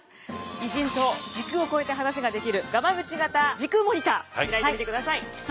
偉人と時空を超えて話ができるガマグチ型時空モニター開いてみてください。